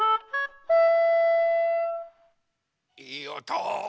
いいおと！